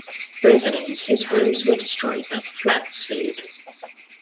Residents whose homes were destroyed by the flood sued.